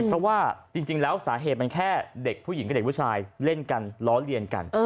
เพราะว่าจริงแล้วสาเหตุมันแค่เด็กผู้หญิงกับเด็กผู้ชายเล่นกันล้อเลียนกัน